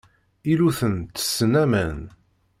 Iluten ttessen aman.